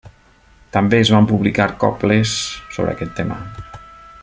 També es van publicar coples sobre aquest tema.